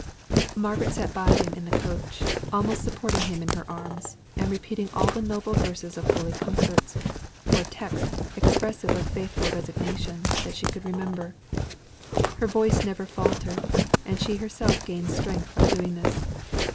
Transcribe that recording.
Margaret sat by him in the coach, almost supporting him in her arms; and repeating all the noble verses of holy comfort, or texts expressive of faithful resignation, that she could remember. Her voice never faltered; and she herself gained strength by doing this.